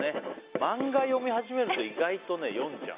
漫画読み始めると意外と読んじゃう。